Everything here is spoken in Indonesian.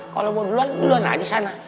kalau mau duluan duluan aja sana